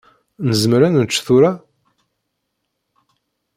Nezmer ad nečč tura?